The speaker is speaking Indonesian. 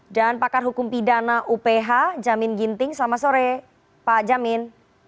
dan pakar hukum pidana uph jamin ginting selamat sore pak jamin